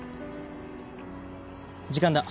時間だ。